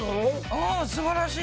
あすばらしい。